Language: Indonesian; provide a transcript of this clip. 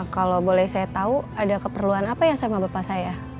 kalau boleh saya tahu ada keperluan apa ya sama bapak saya